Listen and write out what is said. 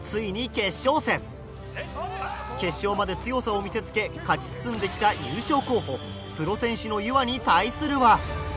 決勝まで強さを見せつけ勝ち進んできた優勝候補プロ選手のゆわに対するは。